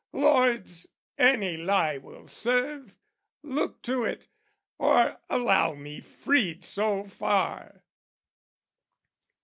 Lords, any lie will serve! Look to it, or allow me freed so far!